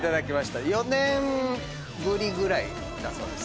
４年ぶりぐらいだそうです。